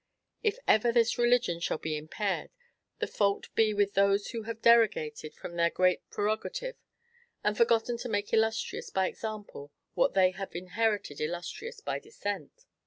If ever this religion shall be impaired, the fault be with those who have derogated from their great prerogative, and forgotten to make illustrious by example what they have inherited illustrious by descent.